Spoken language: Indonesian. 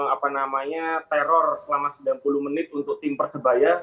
apa namanya teror selama sembilan puluh menit untuk tim persebaya